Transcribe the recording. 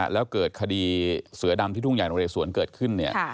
แล้วเกิดคดีเสือดำที่ทุ่งใหญ่นเรสวนเกิดขึ้น